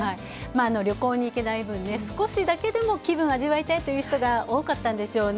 旅行に行けない分、少しだけでも気分を味わいたいという人が多かったんでしょうね。